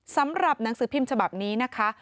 สำหรับหนังสือพิมพ์ฉบับนี้นะคะ